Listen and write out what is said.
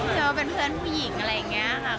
เชื่อว่าเป็นเพื่อนผู้หญิงอะไรอย่างนี้ค่ะ